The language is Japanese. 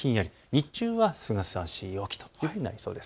日中はすがすがしい陽気、こういうふうになりそうです。